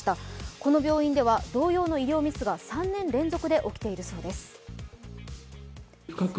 この病院では同様の医療ミスが３年連続で起きているようです。